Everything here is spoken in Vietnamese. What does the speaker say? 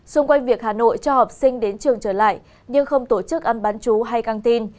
xung quanh việc hà nội cho học sinh đến trường trở lại nhưng không tổ chức ăn bán chú hay căng tin